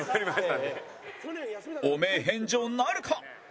汚名返上なるか？